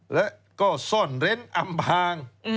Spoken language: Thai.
และก็ซ่อนเร้นอำพาง